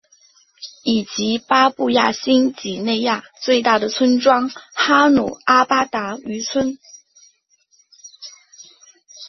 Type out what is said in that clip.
以及巴布亚新几内亚最大的村庄哈努阿巴达渔村。